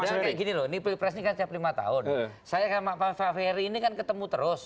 sebenarnya kayak gini loh ini pilpres ini kan setiap lima tahun saya sama pak fahri ini kan ketemu terus